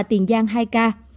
tiền giang hai ca